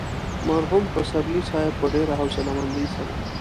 مرحوم پسرلي صاحب په ډېره حوصله مندۍ سره.